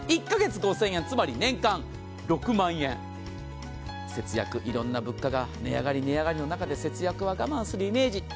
１カ月５０００円、つまり年間６万円節約、いろんな物価が値上がり値上がりの中で節約は我慢する感じ。